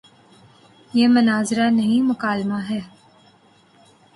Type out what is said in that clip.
یہ مناظرہ نہیں، مکالمہ ہے۔